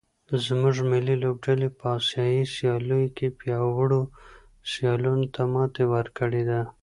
زموږ ملي لوبډلې په اسیايي سیالیو کې پیاوړو سیالانو ته ماتې ورکړې ده.